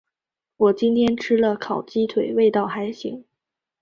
我今天吃了烤鸡腿，味道还行。